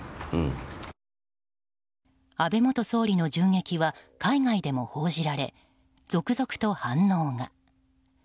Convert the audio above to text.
安倍元総理の銃撃は海外でも報じられ続々と反応が。